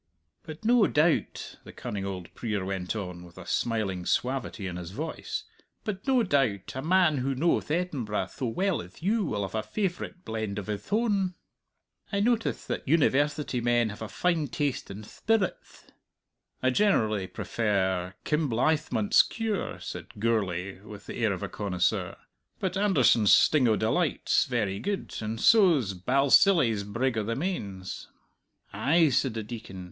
"But no doubt," the cunning old prier went on, with a smiling suavity in his voice "but no doubt a man who knowth Edinburgh tho well as you will have a favourite blend of hith own. I notice that University men have a fine taste in thpirits." "I generally prefer 'Kinblythmont's Cure,'" said Gourlay, with the air of a connoisseur. "But 'Anderson's Sting o' Delight' 's very good, and so's 'Balsillie's Brig o' the Mains.'" "Ay," said the Deacon.